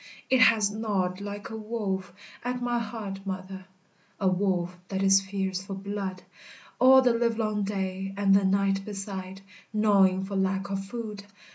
It has gnawed like a wolf, at my heart, mother, A wolf that is fierce for blood; All the livelong day, and the night beside, Gnawing for lack of food.